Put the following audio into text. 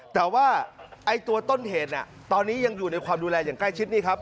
แต่ว่าไอ้ตัวต้นเหตุน่ะตอนนี้ยังอยู่ในความดูแลอย่างใกล้ชิดนี่ครับ